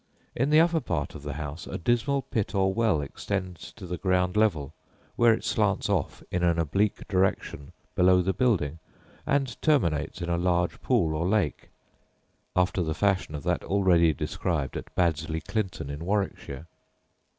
In the upper part of the house a dismal pit or well extends to the ground level, where it slants off in an oblique direction below the building, and terminates in a large pool or lake, after the fashion of that already described at Baddesley Clinton, in Warwickshire.